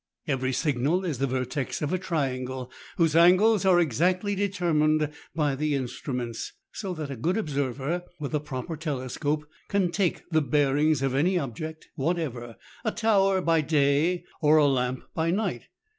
Every signal is the vertex of a triangle, whose angles are exactly determined by the instruments, so that a good observer with a proper telescope can take the bear ings of any object whatever, a tower by day, or a lamp by. night.